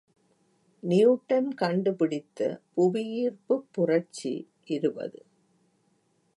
Newton கண்டு பிடித்த புவியீர்ப்புப் புரட்சி இருபது.